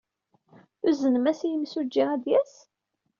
Tuznem-as i yimsujji ad d-yas?